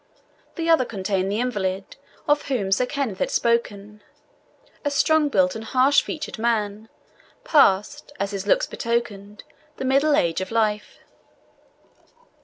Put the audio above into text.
The other contained the invalid, of whom Sir Kenneth had spoken, a strong built and harsh featured man, past, as his looks betokened, the middle age of life.